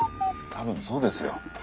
多分そうですよ。